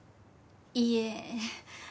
いえ。